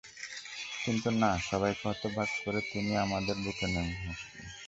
কিন্তু না, সবাইকে হতবাক করে তিনি আমরের বুক থেকে নেমে আসেন।